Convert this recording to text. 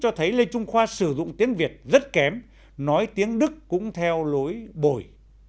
cho thấy lê trung khoa sử dụng tiếng việt rất kém nói tiếng đức cũng theo lối bồi